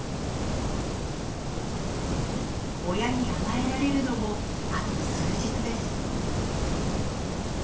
親に甘えられるのもあと数日です。